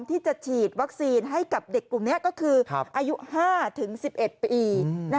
ที่จะฉีดวัคซีนให้กับเด็กกลุ่มนี้ก็คืออายุ๕๑๑ปี